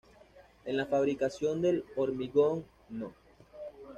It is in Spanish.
En la fabricación del hormigón no.